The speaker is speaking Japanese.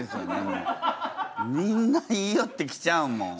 みんな言いよってきちゃうもん。